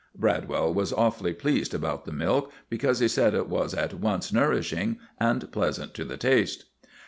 (Bradwell was awfully pleased about the milk, because he said it was at once nourishing and pleasant to the taste.)